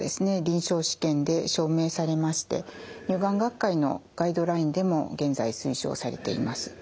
臨床試験で証明されまして乳がん学会のガイドラインでも現在推奨されています。